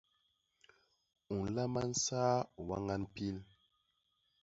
U nlama saa wañan pil.